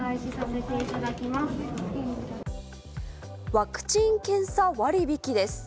ワクチン検査割引です。